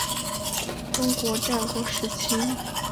邹衍是中国战国时期阴阳家学派创始者与代表人物。